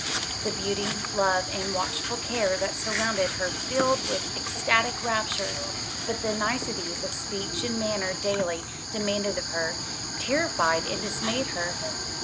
The beauty, love, and watchful care that surrounded her filled her with ecstatic rapture; but the niceties of speech and manner daily demanded of her, terrified and dismayed her.